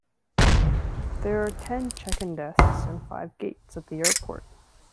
There are ten check-in desks and five gates at the airport.